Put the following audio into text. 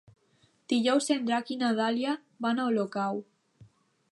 Dijous en Drac i na Dàlia van a Olocau.